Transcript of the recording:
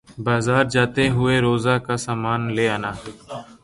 بازار جاتے ہوئے روزہ کا سامان لے آنا